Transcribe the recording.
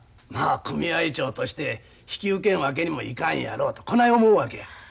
まあ組合長として引き受けんわけにもいかんやろとこない思うわけや。